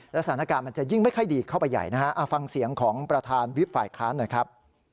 สถานการณ์มันจะยิ่งไม่ค่อยดีเข้าไปใหญ่นะฮะฟังเสียงของประธานวิบฝ่ายค้านหน่อยครับ